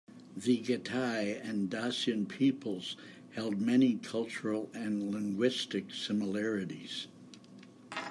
The Getae and Dacian peoples held many cultural and linguistic similarities.